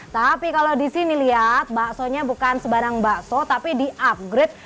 tapi kalau di sini lihat baksonya bukan sebarang bakso tapi di upgrade